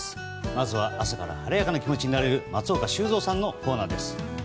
まずは、朝から晴れやかな気持ちになれる松岡修造さんのコーナーです。